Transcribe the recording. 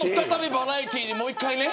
バラエティーにもう１回ね。